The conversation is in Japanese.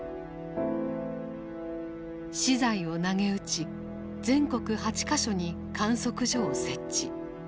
私財をなげうち全国８か所に観測所を設置。